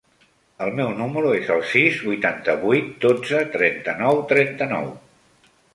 El meu número es el sis, vuitanta-vuit, dotze, trenta-nou, trenta-nou.